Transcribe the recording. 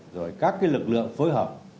rồi các cái lực lượng phối hợp